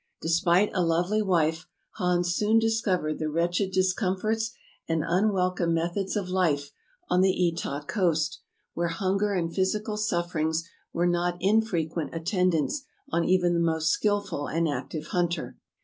De spite a lovely wife, Hans soon discovered the wretched discomforts and unwelcome methods of life on the 369 J»/ True Tales of Arctic Heroism Etah coast, where hunger and physical sufferings were not infrequent attendants on even the most skilful and active hunter.